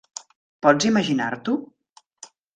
Pots imaginar-t'ho?